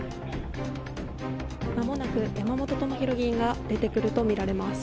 まもなく山本朋広議員が出てくると見られます。